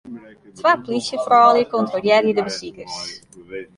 Twa plysjefroulju kontrolearje de besikers.